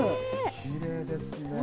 きれいですね。